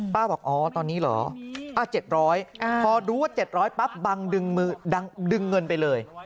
ป้าบอกอ๋อตอนนี้เหรอป้าเจ็ดร้อยพอดูว่าเจ็ดร้อยป้าบังดึงมือดึงเงินไปเลย